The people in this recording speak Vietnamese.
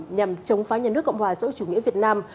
nhằm chống phá nhà nước cộng hòa dỗ chủ nghĩa việt nam